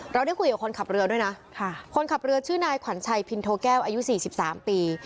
เราได้คุยกับคนขับเรือด้วยนะค่ะคนขับเรือชื่อนายขวัญชัยปินโทแก้วอายุสี่สิบสามปี